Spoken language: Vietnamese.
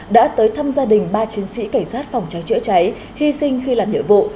đã tới thăm gia đình ba chiến sĩ cảnh sát phòng cháy chữa cháy hy sinh khi làm nhiệm vụ